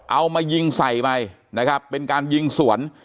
เอามายิงใส่ไปนะครับเป็นการยิงสวน